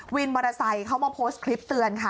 วินมอเตอร์ไซค์เขามาโพสต์คลิปเตือนค่ะ